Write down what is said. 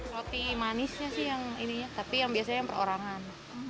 roti manisnya sih yang ininya tapi yang biasanya yang perorangan